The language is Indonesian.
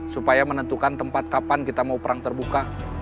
supaya menentukan tempat kapan kita mau perang terbuka